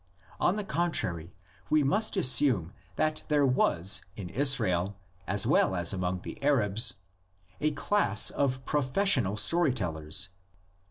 On the contrary, we must assume that there was in Israel, as well as among the Arabs, a class of professional story tellers.